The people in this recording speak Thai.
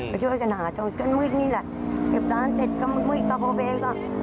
ไปช่วยกันหาจนจนมืดนี่แหละเก็บร้านเสร็จก็มืดมืดกระโบเบก